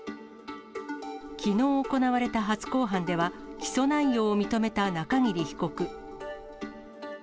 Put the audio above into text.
きのう行われた初公判では、起訴内容を認めた中桐被告。